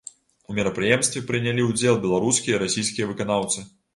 У мерапрыемстве прынялі ўдзел беларускія і расійскія выканаўцы.